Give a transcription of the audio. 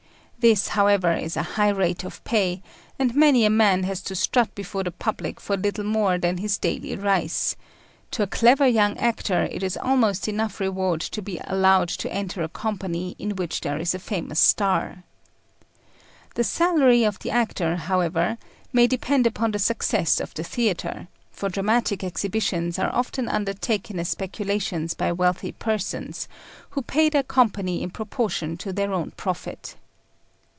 This, however, is a high rate of pay, and many a man has to strut before the public for little more than his daily rice; to a clever young actor it is almost enough reward to be allowed to enter a company in which there is a famous star. The salary of the actor, however, may depend upon the success of the theatre; for dramatic exhibitions are often undertaken as speculations by wealthy persons, who pay their company in proportion to their own profit.